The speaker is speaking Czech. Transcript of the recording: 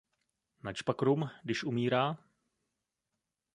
Načpak rum, dyž umírá?